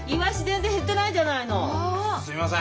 すいません。